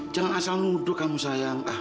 jangan asal nuduh kamu sayang